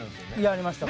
やりました。